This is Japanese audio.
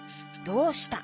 「どうした」？